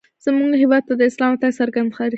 زموږ هېواد ته د اسلام راتګ څرګند تاریخ لري